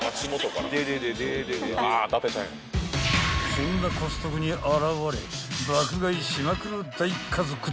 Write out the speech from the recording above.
［そんなコストコに現れ爆買いしまくる］